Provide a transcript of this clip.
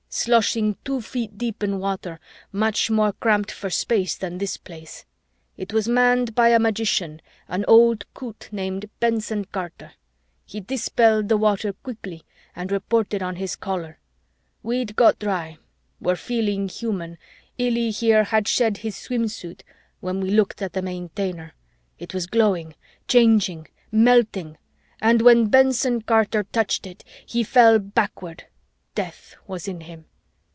sloshing two feet deep in water, much more cramped for space than this Place. It was manned by a magician, an old coot named Benson Carter. He dispelled the water quickly and reported on his Caller. We'd got dry, were feeling human, Illy here had shed his swimsuit, when we looked at the Maintainer. It was glowing, changing, melting! And when Benson Carter touched it, he fell backward death was in him.